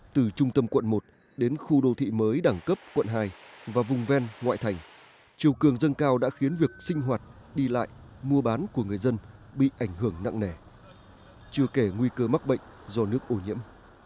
từ trung tâm quận một đến khu đô thị mới đẳng cấp quận hai và vùng ven ngoại thành chiều cường dâng cao đã khiến việc sinh hoạt đi lại mua bán của người dân bị ảnh hưởng nặng nề chưa kể nguy cơ mắc bệnh do nước ô nhiễm